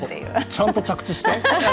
ちゃんと着地して。